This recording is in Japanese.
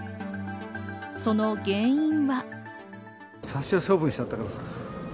その原因は。